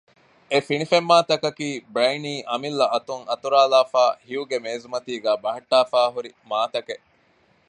އެ ފިނިފެންމާތަކަކީ ބްރައިނީގެ އަމިއްލަ އަތުން އަތުރައިލައިފައި ހިޔުގެ މޭޒުމަތީގައި ބަހައްޓައިފައި ހުރި މާތަކެއް